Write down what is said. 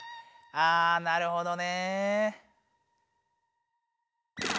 あなるほどね。